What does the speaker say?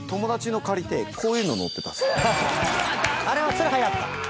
それはやった。